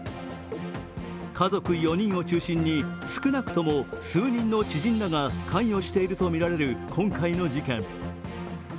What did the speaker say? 家族４人を中心に少なくとも数人の知人らが関与しているとみられる今回の事件。